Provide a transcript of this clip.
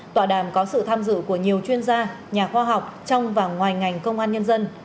tọa đàm có sự tham dự của nhiều chuyên gia nhà khoa học trong và ngoài ngành công an nhân dân